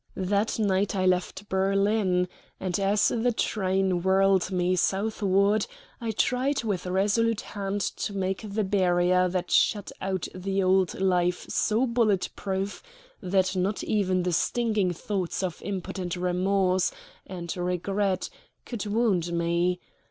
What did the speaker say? That night I left Berlin, and as the train whirled me southward I tried with resolute hand to make the barrier that shut out the old life so bullet proof that not even the stinging thoughts of impotent remorse and regret could wound me.